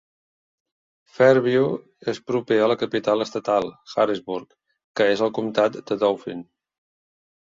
Fairview és proper a la capital estatal, Harrisburg, que és al comtat de Dauphin.